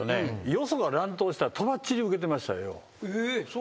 よそが乱闘したらとばっちり受けてましたよう。